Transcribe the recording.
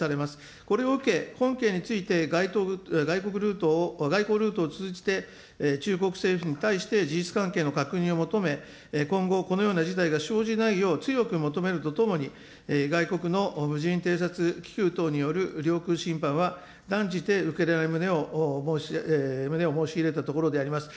これを受け、本件について外交ルートを通じて中国政府に対して事実関係の確認を求め、今後このような事態が生じないよう強く求めるとともに、外国の無人偵察気球等による領空侵犯は断じて受けられない旨を申し入れたところであります。